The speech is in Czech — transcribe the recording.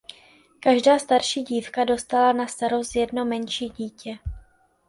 Každá starší dívka dostala na starost jedno menší dítě.